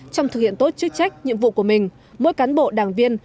trong thực hiện tốt chức trách nhiệm vụ của mình mỗi cán bộ đảng viên